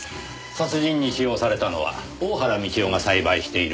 殺人に使用されたのは大原美千代が栽培している